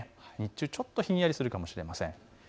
日中ひんやりするかもしれません。